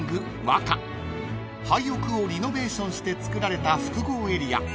［廃屋をリノベーションして造られた複合エリア］